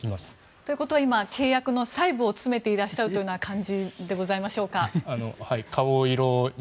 ということは今契約の細部を詰めていらっしゃるという感じでございますでしょうか。